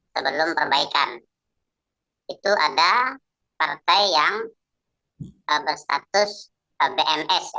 sebelum perbaikan itu ada partai yang berstatus bms